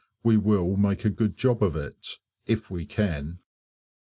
We will make a good job of it if we can.